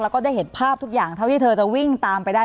แล้วก็ได้เห็นภาพทุกอย่างเท่าที่เธอจะวิ่งตามไปได้